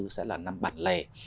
sẽ là năm bản lệ